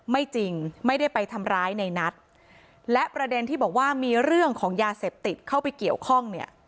ไม่จริงไม่ได้ไปทำร้ายในนัทและประเด็นที่บอกว่ามีเรื่องของยาเสพติดเข้าไปเกี่ยวข้องเนี่ย